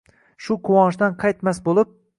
Shu quvonchdan qaytmas boʼlib